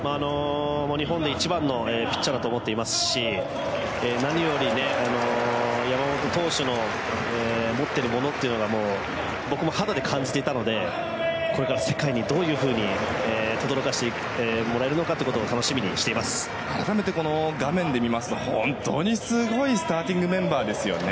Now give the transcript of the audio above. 日本で一番のピッチャーだと思っていますし何より山本投手の持っているものを僕も肌で感じていたのでこれから世界にどういうふうにとどろかせてもらえるのかを改めて画面で見ますとすごいスターティングメンバーですよね。